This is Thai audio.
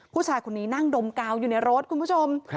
ผู้ชายคนนี้นั่งดมกาวอยู่ในรถคุณผู้ชม